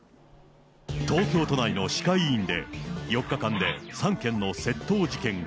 東京都内の歯科医院で、４日間で３件の窃盗事件が。